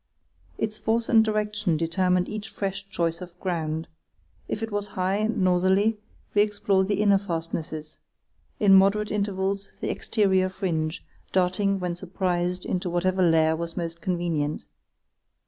Its force and direction determined each fresh choice of ground. If it was high and northerly we explored the inner fastnesses; in moderate intervals the exterior fringe, darting when surprised into whatever lair was most convenient.